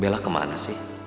bella kemana sih